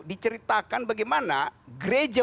diceritakan bagaimana gereja